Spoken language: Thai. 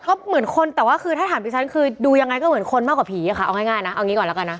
ก็เหมือนคนแต่ว่าคือถ้าถามดิฉันคือดูยังไงก็เหมือนคนมากกว่าผีอะค่ะเอาง่ายนะเอางี้ก่อนแล้วกันนะ